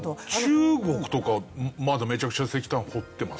中国とかはまだめちゃくちゃ石炭掘ってますよね。